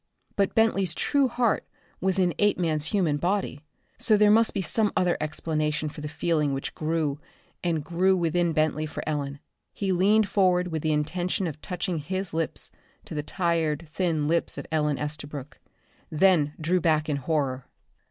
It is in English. But Bentley's true heart was in Apeman's human body, so there must be some other explanation for the feeling which grew and grew within Bentley for Ellen. He leaned forward with the intention of touching his lips to the tired thin lips of Ellen Estabrook, then drew back in horror.